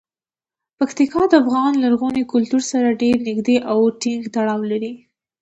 پکتیکا د افغان لرغوني کلتور سره ډیر نږدې او ټینګ تړاو لري.